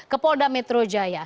ke polda metro jaya